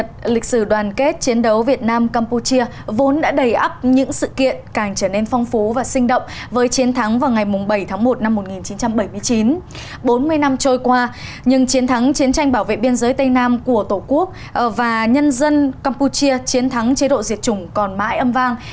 từng chiến thắng chiến tranh bảo vệ biên giới tây nam của tổ quốc và nhân dân campuchia chiến thắng chế độ diệt chủng còn mãi âm vang